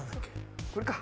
これか。